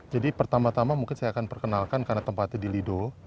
jadi pertama tama mungkin saya akan perkenalkan karena tempatnya di lido